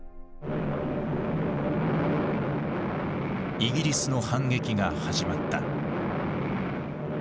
イギリスの反撃が始まった。